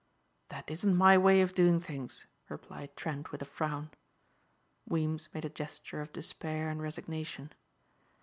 "That isn't my way of doing things," replied Trent with a frown. Weems made a gesture of despair and resignation.